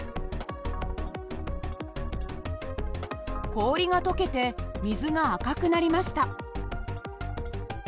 氷が解けて水が赤くなりました。